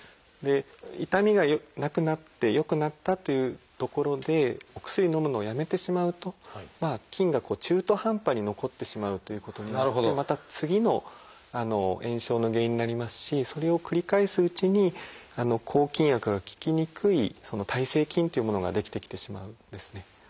で痛みがなくなって良くなったというところでお薬をのむのをやめてしまうと菌が中途半端に残ってしまうということになってまた次の炎症の原因になりますしそれを繰り返すうちに抗菌薬が効きにくい耐性菌っていうものが出来てきてしまうんですね。